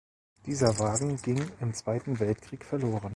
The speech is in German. Dieser Wagen ging im Zweiten Weltkrieg verloren.